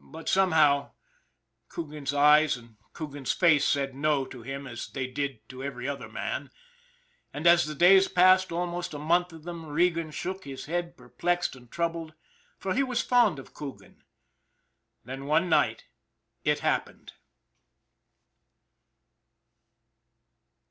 But, somehow, Coogan's eyes and Coogan's face said " no " to him as they did to every other man, and as the days passed, almost a month of them, Regan shook his head, per plexed and troubled, for he was fond of Coogan. Then, one night, it happened.